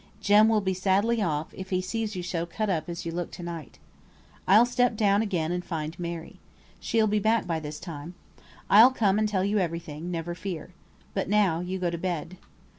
Jem will be sadly off, if he sees you so cut up as you look to night. I'll step down again and find Mary. She'll be back by this time. I'll come and tell you every thing, never fear. But, now, you go to bed."